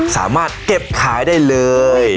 สามารถเก็บขายได้เลย